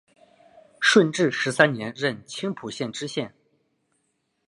顺治十三年任青浦县知县。